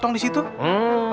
tunggu di sini ya bentar